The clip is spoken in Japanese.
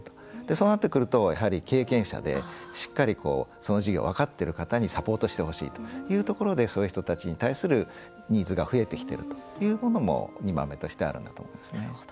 そうなってくるとやはり経験者でしっかり、その事業を分かっている方にサポートしてほしいというところでそういう人たちに対するニーズが増えてきているというものも２番目としてあるんだと思いますね。